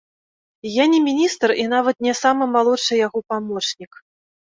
Я не міністр і нават не самы малодшы яго памочнік.